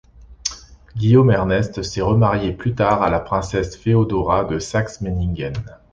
Guillaume-Ernest s'est remarié plus tard à la Princesse Feodora de Saxe-Meiningen.